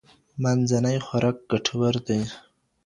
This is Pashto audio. منځنی خوراک ګټور دی.